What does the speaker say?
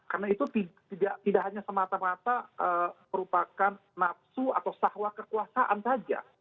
karena itu tidak hanya semata mata merupakan nafsu atau sahwa kekuasaan saja